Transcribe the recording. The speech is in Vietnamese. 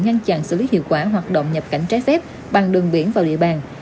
ngăn chặn xử lý hiệu quả hoạt động nhập cảnh trái phép bằng đường biển vào địa bàn